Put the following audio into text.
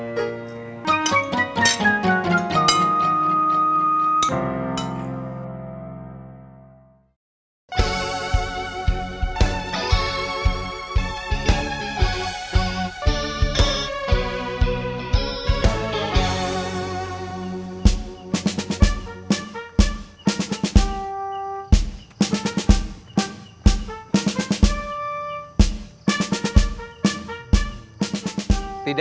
aku mandi mie makin agak memberes